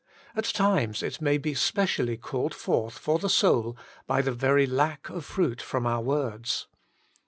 At times it may be specially called forth for the soul by the very lack of fruit from our words.